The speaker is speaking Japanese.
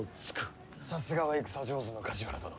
さすがは戦上手の梶原殿。